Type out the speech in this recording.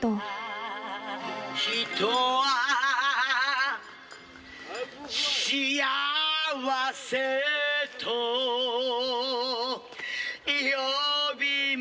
「人は仕合わせと呼びます」